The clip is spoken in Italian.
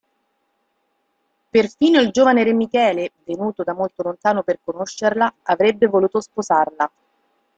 Perfino il giovane Re Michele, venuto da molto lontano per conoscerla, avrebbe voluto sposarla.